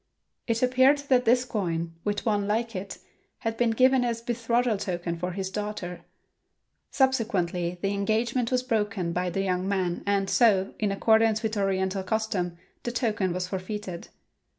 It appeared that this coin, with one like it, had been given as betrothal token for his daughter. Subsequently the engagement was broken by the young man and so, in accordance with oriental custom, the token was forfeited.